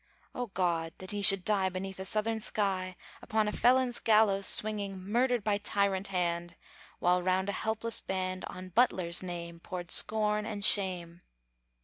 Oh, God! that he should die Beneath a Southern sky! Upon a felon's gallows swinging, Murdered by tyrant hand, While round a helpless band, On Butler's name Poured scorn and shame.